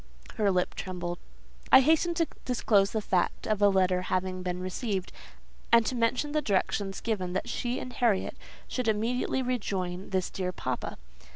Her lip trembled. I hastened to disclose the fact of a letter having been received, and to mention the directions given that she and Harriet should immediately rejoin this dear papa.